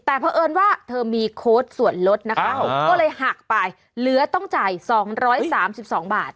แต่เพราะเอิญว่าเธอมีโค้ดส่วนลดนะคะก็เลยหักไปเหลือต้องจ่าย๒๓๒บาท